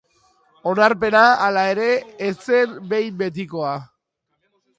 Onarpena, hala ere, ez zen behin betikoa.